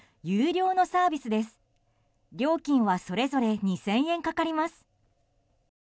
料金はそれぞれ２０００円かかります。